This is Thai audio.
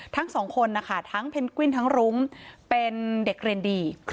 ทั้งสองคนนะคะทั้งเพนกวินทั้งรุ้งเป็นเด็กเรียนดี